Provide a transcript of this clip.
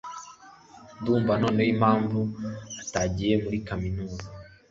Ndumva noneho impamvu atagiye muri kaminuza.